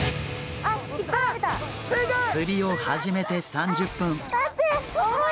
釣りを始めて３０分。